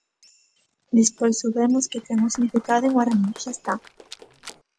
Despois soubemos que ten un significado en guaraní: xa está.